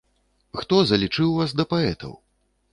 Хто залічыў вас да паэтаў?